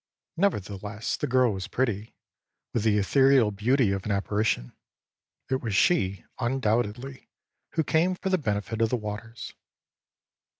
Nevertheless the girl was pretty, with the ethereal beauty of an apparition. It was she, undoubtedly, who came for the benefit of the waters.